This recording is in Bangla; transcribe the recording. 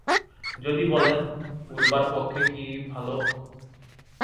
যদি বলেন, ওড়বার পক্ষে কি ভালো?